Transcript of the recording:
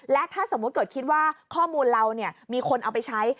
และถ้าสมมุติเกิดคิดว่าข้อมูลเรามีคนเอาไปใช้